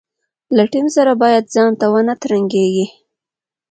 له ټیم سره باید ځانته ونه ترنګېږي.